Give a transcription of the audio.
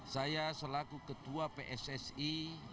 saya selaku ketua pssi dua ribu enam belas dua ribu dua puluh